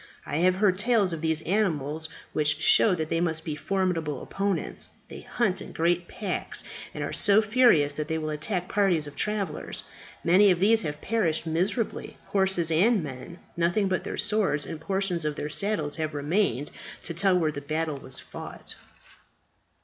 "I have heard tales of these animals which show that they must be formidable opponents. They hunt in great packs, and are so furious that they will attack parties of travellers; many of these have perished miserably, horses and men, and nothing but their swords and portions of their saddles have remained to tell where the battle was fought."